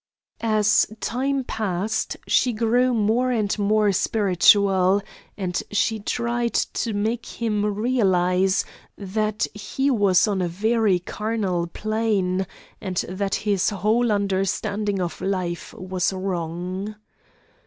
As time passed she grew more and more spiritual, and she tried to make him realise that he was on a very carnal plane, and that his whole understanding of life was wrong.